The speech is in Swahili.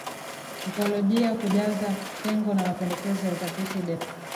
Ikolojia Kujaza Pengo na Mapendekezo ya Utafiti Defra